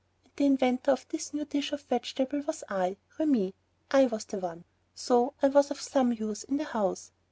And the inventor of this new dish of vegetables was I, Remi, I was the one! So I was of some use in the house.